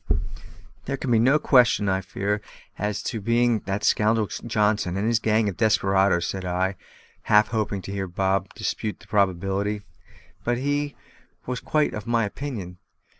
"There can be no question, I fear, as to its being that scoundrel Johnson and his gang of desperadoes," said I, half hoping to hear Bob dispute the probability. But he was quite of my opinion.